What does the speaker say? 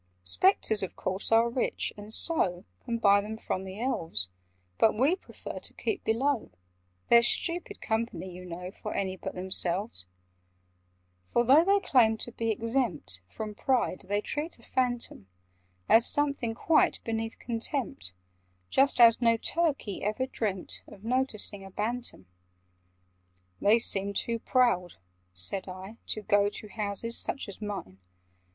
"Spectres of course are rich, and so Can buy them from the Elves: But we prefer to keep below— They're stupid company, you know, For any but themselves: "For, though they claim to be exempt From pride, they treat a Phantom As something quite beneath contempt— Just as no Turkey ever dreamt Of noticing a Bantam." [Picture: The phantom] "They seem too proud," said I, "to go To houses such as mine.